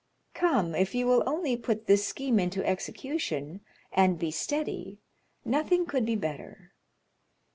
"Come, if you will only put this scheme into execution, and be steady, nothing could be better."